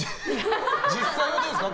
実際はどうですか？